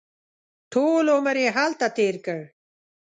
ټول عمر یې هلته تېر کړ.